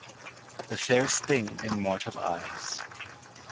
THE FAIREST THING IN MORTAL EYES.